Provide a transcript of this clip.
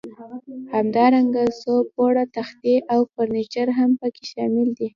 همدارنګه څو پوړه تختې او فرنیچر هم پکې شامل دي.